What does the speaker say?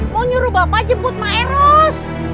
mau nyuruh bapak jemput mak eros